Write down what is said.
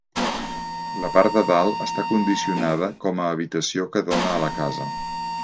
La part de dalt, està condicionada com a habitació que dóna a la casa.